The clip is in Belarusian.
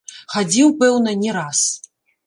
Хадзіў, пэўна, не раз.